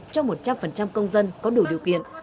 cho một trăm linh công dân có đủ điều kiện